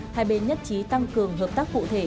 hai bên nhất trí tăng cường hợp tác cụ thể